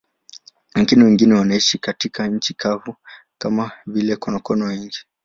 Lakini wengine wanaishi katika nchi kavu, kama vile konokono wengi.